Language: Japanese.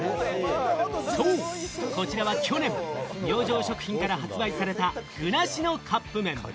そう、こちらは去年、明星食品から発売された具なしのカップ麺。